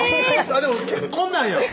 でも結婚なんや！